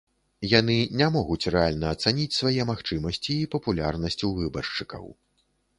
Яны не могуць рэальна ацаніць свае магчымасці і папулярнасць у выбаршчыкаў.